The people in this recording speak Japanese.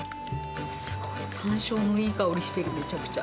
すごいサンショウのいい香りしてる、めちゃくちゃ。